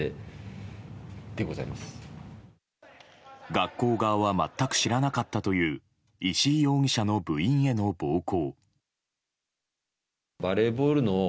学校側は全く知らなかったという石井容疑者の部員への暴行。